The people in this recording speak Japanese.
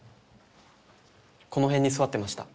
この辺に座ってました。